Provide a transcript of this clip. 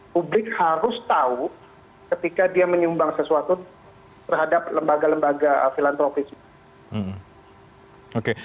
publik harus tahu ketika dia menyumbang sesuatu terhadap lembaga lembaga filantropis